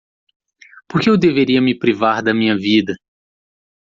Por que eu deveria me privar da minha vida?